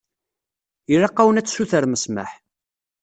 Ilaq-awen ad tsutrem ssmaḥ.